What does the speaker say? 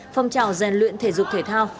phong trào rèn luyện thể dục thể thao